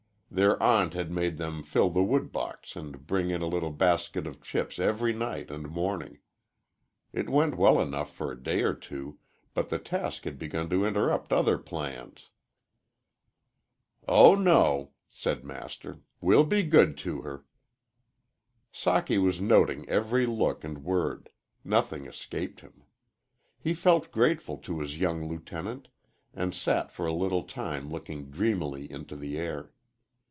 Their aunt had made them fill the wood box and bring in a little basket of chips every night and morning. It went well enough for a day or two, but the task had begun to interrupt other plans. "Oh no," said Master. "We'll be good to her." Socky was noting every look and word nothing escaped him. He felt grateful to his young lieutenant, and sat for a little time looking dreamily into the air.